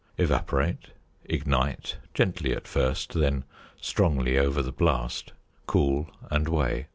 Evaporate; ignite, gently at first, then strongly over the blast; cool, and weigh.